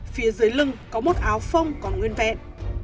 phía dưới lưng có một áo phông còn nguyên vẹn